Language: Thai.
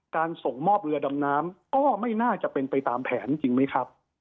ส่งมอบเรือดำน้ำก็ไม่น่าจะเป็นไปตามแผนจริงไหมครับ